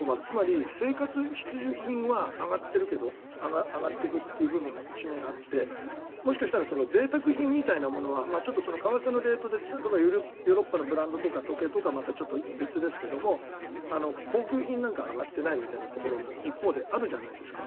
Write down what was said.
つまり生活必需品は上がっていくという部分が一面あってもしかしたらぜいたく品みたいなものは為替のレートで例えばヨーロッパのブランドとか時計は別ですが高級品なんかは上がってないみたいなところも一方であるじゃないですか。